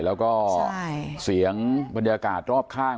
แล้วก็เสียงบรรยากาศรอบข้าง